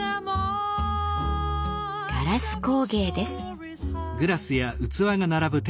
ガラス工芸です。